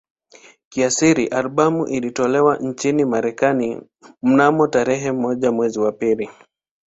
Kiasili albamu ilitolewa nchini Marekani mnamo tarehe moja mwezi wa pili